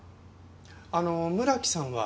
あの村木さんは？